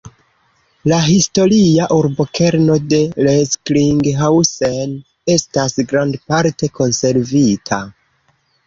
La historia urbokerno de Recklinghausen estas grandparte konservita.